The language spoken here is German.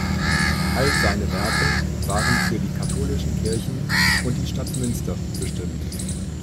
All seine Werke waren für die katholischen Kirchen und die Stadt Münster bestimmt.